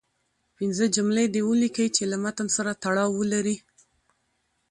پنځه جملې دې ولیکئ چې له متن سره تړاو ولري.